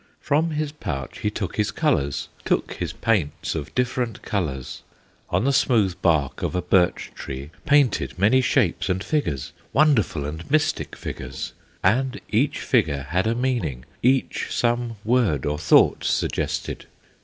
From his pouch he took his colors, Took his paints of different colors, On the smooth bark of a birch tree Painted many shapes and figures, Wonderful and mystic figures, And each figure had a meaning, Each some word or thought suggested.